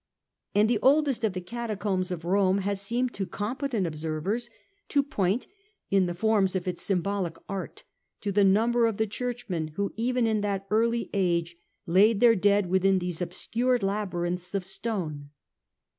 And the oldest of the Cata combs of Rome has seemed to competent observers to point in the forms of its symbolic art to the number of the churchmen who, even in that early age, laid their dead within those obscure labyrinths of stone.